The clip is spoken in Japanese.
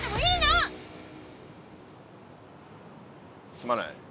すまない。